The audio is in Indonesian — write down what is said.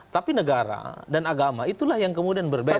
tapi negara dan agama itulah yang kemudian berbeda